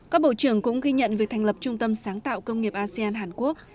các bộ trưởng cũng ghi nhận việc thành lập trung tâm sáng tạo công nghiệp asean hàn quốc